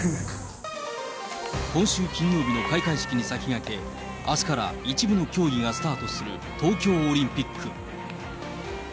今週金曜日の開会式に先駆け、あすから一部の競技がスタートする東京オリンピック。